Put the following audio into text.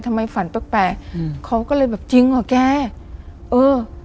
ฝันแปลกแปลกอืมเขาก็เลยแบบจริงเหรอแกเออ